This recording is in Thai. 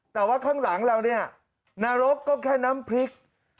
แต่ว่าข้างหลังเราเนี่ยนรกก็แค่น้ำพริก